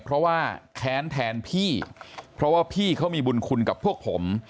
เพราะว่าแค้นแทนพี่เพราะว่าพี่เขามีบุญคุณกับพวกผม